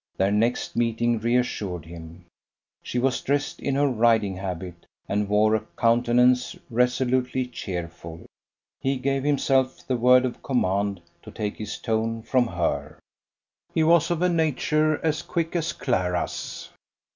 Their next meeting reassured him; she was dressed in her riding habit, and wore a countenance resolutely cheerful. He gave himself the word of command to take his tone from her. He was of a nature as quick as Clara's.